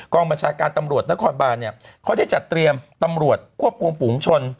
บัญชาการตำรวจนครบานเนี่ยเขาได้จัดเตรียมตำรวจควบคุมฝูงชน